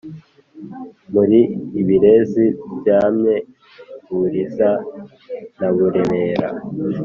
muri ibirezi byamye i buriza na buremera